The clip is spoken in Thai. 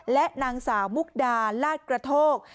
และนางสาวมุกดาลาดกระโทก